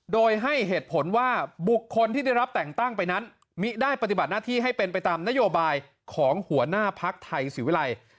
โดยให้เหตุผลว่าบุคคลที่ได้รับแต่งตั้งไปนั้นมิได้ปฏิบัติหน้าที่ให้เป็นไปตามนโยบายของหัวหน้าภักดิ์ไทยศิวิรัย